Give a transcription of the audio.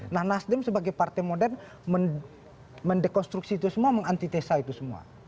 nah nasdem sebagai partai modern mendekonstruksi itu semua mengantitesa itu semua